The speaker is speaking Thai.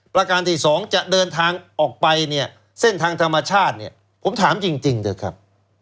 ประการที่๒จะเดินทางออกไปเส้นทางธรรมชาติผมถามจริงด้วยครับ